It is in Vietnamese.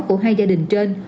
của hai gia đình trên